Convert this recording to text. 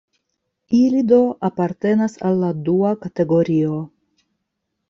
Ili do apartenas al la dua kategorio.